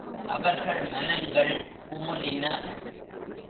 அவர்கள் மனங்கள் குமுறின.